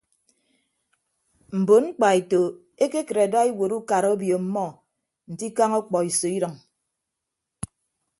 Mbon mkpaeto ekekịt ada iwuot ukara obio ọmmọ nte ikañ ọkpọiso idʌñ.